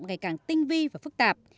ngày càng tinh vi và phức tạp